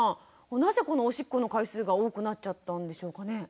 なぜこのおしっこの回数が多くなっちゃったんでしょうかね？